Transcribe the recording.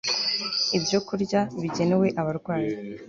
Ibyokurya Bigenewe Abarwayi